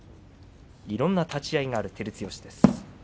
いろんな立ち合いがある照強です。